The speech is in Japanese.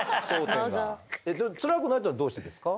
ツラくないっていうのはどうしてですか？